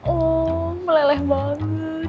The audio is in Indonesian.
ooo meleleh banget